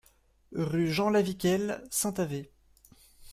Rue Jean Laviquel, Saint-Avé